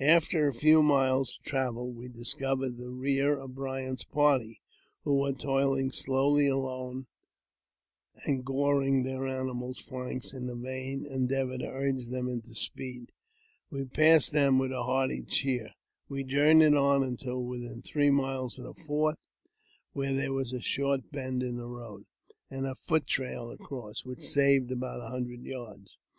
After a few miles travel we discovered the rear of Bryant's party, who were toiling slowly along, and goring their animals' flanks in the vain endeavour to urge them into speed. We passed I I JAMES P. BECKWOURTH. 345 lem with a hearty cheer. We journeyed on until within iree miles of the fort, where there was a short bend in the )ad, and a foot trail across, which saved about a hundred rds.